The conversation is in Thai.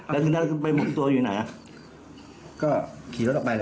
แล้วทีนี้ไปหมุนตัวอยู่ไหนก็ขี่รถออกไปเลย